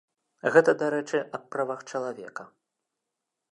Гэта, дарэчы, аб правах чалавека.